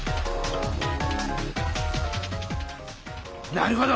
なるほど！